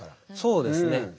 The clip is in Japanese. そうですね。